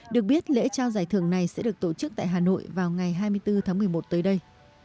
được biết lễ trao giải thưởng này sẽ được tổ chức tại hà nội vào ngày hai mươi bốn tháng một mươi một tới đây